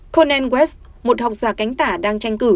conan west một học giả cánh tả